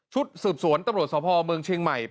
ชุดสืบสวนตำรวจสภพเมืองชิงใหม่